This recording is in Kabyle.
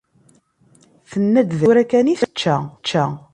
Tenna-d dakken tura kan i tečča.